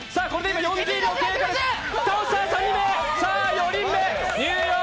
４人目！